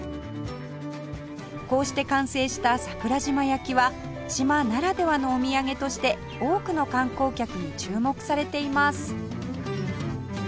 こうして完成した桜島焼は島ならではのお土産として多くの観光客に注目されています